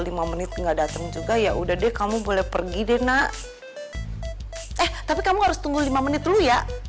lima menit nggak dateng juga ya udah deh kamu boleh pergi deh nah tapi kamu harus timbul my